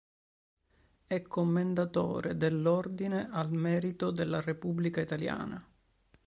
È Commendatore dell'Ordine al merito della Repubblica Italiana.